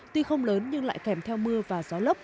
tuy không lớn nhưng lại kèm theo mưa và gió lốc